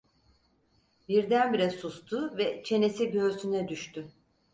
Birdenbire sustu ve çenesi göğsüne düştü.